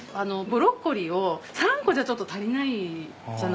ブロッコリーを３個じゃちょっと足りないじゃないですか。